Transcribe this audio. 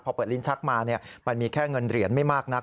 พอเปิดลิ้นชักมามันมีแค่เงินเหรียญไม่มากนัก